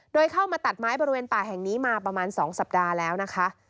โดยเข้ามาตัดไม้บริเวณป่าแห่งนี้มาประมาณ๒สัปดาห์แล้วนะคะ